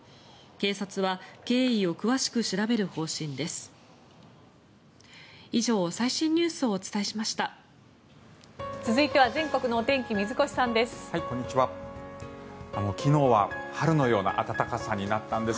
警察は経緯を詳しく調べる方針です。